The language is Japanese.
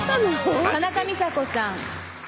田中美佐子さん。